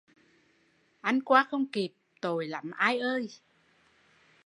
Anh qua không kịp, tội lắm ai ơi